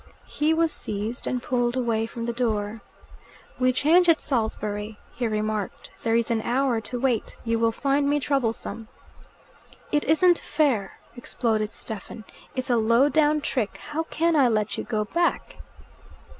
He was seized and pulled away from the door. "We change at Salisbury," he remarked. "There is an hour to wait. You will find me troublesome." "It isn't fair," exploded Stephen. "It's a lowdown trick. How can I let you go back?"